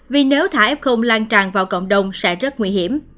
vì nếu thả f lan tràn vào cộng đồng sẽ rất nguy hiểm